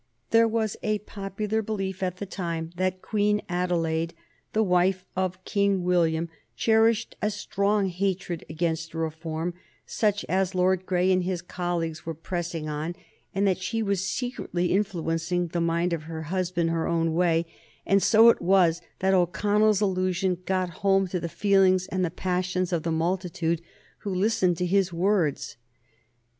There was a popular belief at the time that Queen Adelaide, the wife of King William, cherished a strong hatred against reform such as Lord Grey and his colleagues were pressing on, and that she was secretly influencing the mind of her husband her own way, and so it was that O'Connell's allusion got home to the feelings and the passions of the multitude who listened to his words.